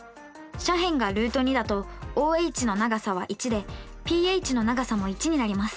斜辺がルート２だとＯＨの長さは１でＰＨの長さも１になります。